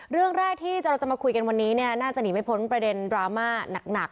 เรื่องแรกที่เราจะมาคุยกันวันนี้เนี่ยน่าจะหนีไม่พ้นประเด็นดราม่าหนัก